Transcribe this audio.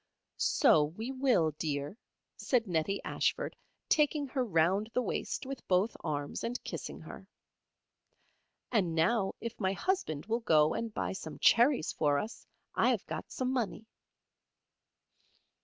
"So we will, dear," said Nettie Ashford, taking her round the waist with both arms and kissing her. "And now if my Husband will go and buy some cherries for us, I have got some money."